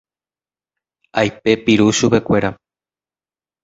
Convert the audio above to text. Aipepirũ chupekuéra.